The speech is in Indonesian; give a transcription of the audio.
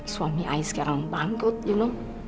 suami ayah sekarang bangkrut ibu tahu